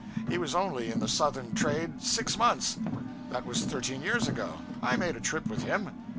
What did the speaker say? He was only in the Southern trade six months. That was thirteen years ago. I made a trip with him.